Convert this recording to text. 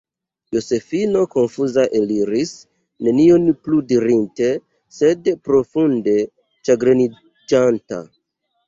Josefino konfuza eliris, nenion plu dirinte, sed profunde ĉagreniĝanta.